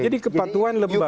jadi kepatuan lembaga